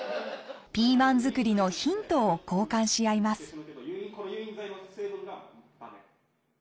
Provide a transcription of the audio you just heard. ピーマン作りのヒントを交換し合います。